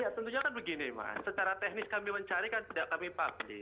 ya tentunya kan begini mas secara teknis kami mencari kan tidak kami pahami